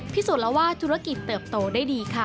พิสูจน์แล้วว่าธุรกิจเติบโตได้ดีค่ะ